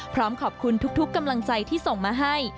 พร้อมขอบคุณทุกกำลังใจที่ส่งมาให้